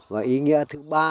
và ý nghĩa thứ ba